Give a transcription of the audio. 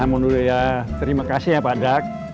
alhamdulillah ya terimakasih ya pak dak